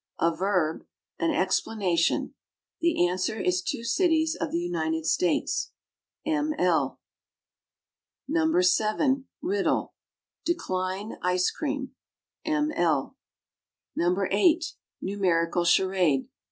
A verb. An explanation. The answer is two cities of the United States. M. L. No. 7. RIDDLE. Decline ice cream. M. L. No. 8. NUMERICAL CHARADE.